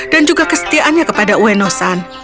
dan juga kesetiaannya kepada ueno san